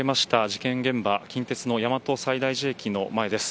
事件現場近鉄の大和西大寺駅の前です。